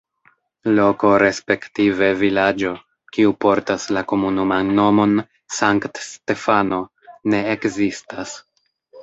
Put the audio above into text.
Loko respektive vilaĝo, kiu portas la komunuman nomon Sankt-Stefano, ne ekzistas.